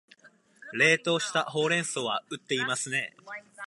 冷凍したほうれん草は売っていますね